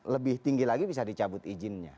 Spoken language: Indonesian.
lebih tinggi lagi bisa dicabut izinnya